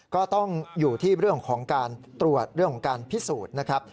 ก็ต้องอยู่ที่เรื่องของการตรวจเรื่องของการพิสูจน์นะครับ